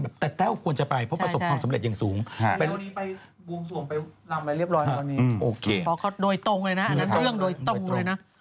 บอกเขาโดยตรงเลยนะอันนั้นเรื่องโดยตรงเลยนะ